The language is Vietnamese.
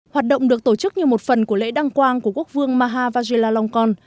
hoạt động được tổ chức như một phần của lễ đăng quang của quốc vương maha vajiralongkorn